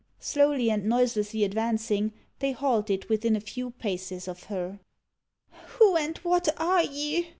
Slowly and noiselessly advancing, they halted within a few paces of her. "Who and what are ye?"